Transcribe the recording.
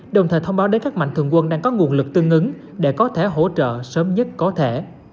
đồng thời thông báo đến các mạnh thường quân đang có nguồn lực tương ứng để có thể hỗ trợ sớm nhất có thể